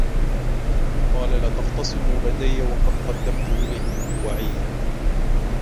قَالَ لَا تَخْتَصِمُوا لَدَيَّ وَقَدْ قَدَّمْتُ إِلَيْكُمْ بِالْوَعِيدِ